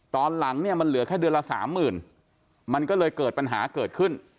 ตอนหลังเนี่ยมันเหลือแค่เดือนละสามหมื่นมันก็เลยเกิดปัญหาเกิดขึ้น